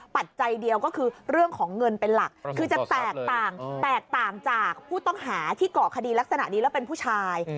ปัจจัยเดียวก็คือเรื่องของเงินเป็นหลักคือจะแตกต่างแตกต่างจากผู้ต้องหาที่เกาะคดีลักษณะนี้แล้วเป็นผู้ชาย